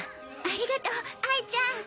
ありがとう哀ちゃん。